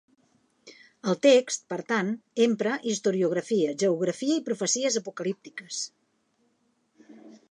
El text, per tant, empra historiografia, geografia i profecies apocalíptiques.